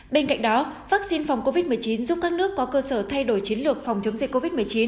bên cạnh đó vaccine phòng covid một mươi chín giúp các nước có cơ sở thay đổi chiến lược phòng chống dịch covid một mươi chín